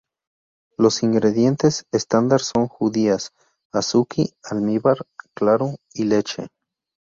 Los ingredientes estándar son judías "azuki", almíbar claro y leche.